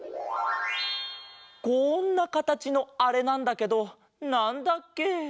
こんなかたちのあれなんだけどなんだっけ？